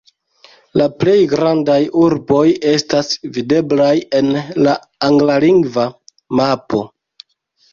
La plej grandaj urboj estas videblaj en la anglalingva mapo.